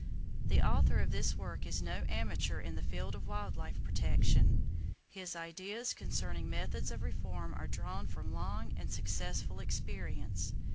The author of this work is no amateur in the field of wild life protection. His ideas concerning methods of reform are drawn from long and successful experience.